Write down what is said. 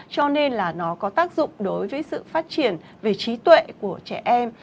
cho nên là nó có tác dụng đối với sự phát triển về trí tuệ của trẻ em